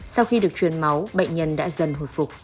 sau khi được truyền máu bệnh nhân đã dần hồi phục